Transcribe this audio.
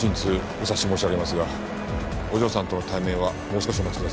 お察し申し上げますがお嬢さんとの対面はもう少しお待ちください。